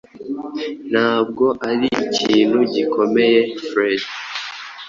Ntabwo ari ikintu gikomeyefred